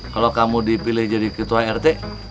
kalau kamu dipilih jadi ketua rt